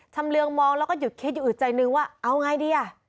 เรืองมองแล้วก็หยุดคิดอยู่อึดใจนึงว่าเอาไงดีอ่ะ